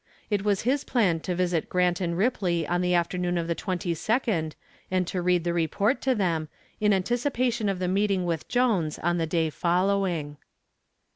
It was his plan to visit Grant & Ripley on the afternoon of the twenty second and to read the report to them, in anticipation of the meeting with Jones on the day following.